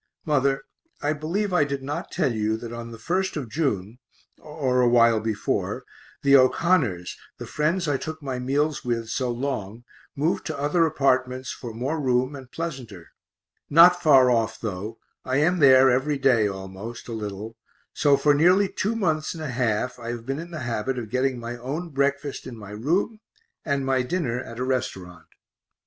Mother, I believe I did not tell you that on the 1st of June (or a while before) the O'Connors, the friends I took my meals with so long, moved to other apartments for more room and pleasanter not far off though, I am there every day almost, a little so for nearly two months and a half I have been in the habit of getting my own breakfast in my room and my dinner at a restaurant.